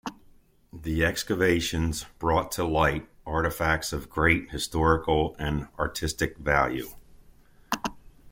The excavations brought to light artifacts of great historical and artistic value.